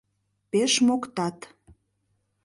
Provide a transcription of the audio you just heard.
Пеш моктат